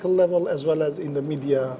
dan juga di sektor media